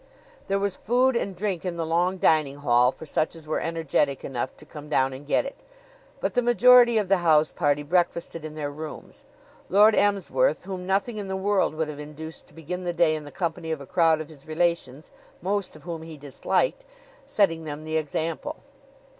There was food and drink in the long dining hall for such as were energetic enough to come down and get it; but the majority of the house party breakfasted in their rooms, Lord Emsworth, whom nothing in the world would have induced to begin the day in the company of a crowd of his relations, most of whom he disliked, setting them the example.